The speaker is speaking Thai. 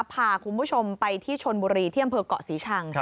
พาคุณผู้ชมไปที่ชนบุรีที่อำเภอกเกาะศรีชัง